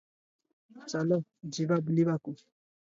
ଚାଲ ଯିବା ବୁଲିବାକୁ